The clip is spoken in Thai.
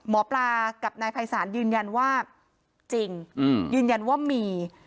หมอปลากับนายภัยศาลยืนยันว่าจริงยืนยันว่ามี